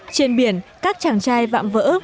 trên biển các chàng trai vạm vỡ